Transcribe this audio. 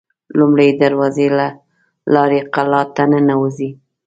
لومړۍ دروازې له لارې قلا ته ننوزي.